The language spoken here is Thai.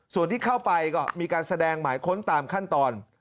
ส่วนที่เข้าไปก็มีการแสดงหมายค้นตามขั้นตอน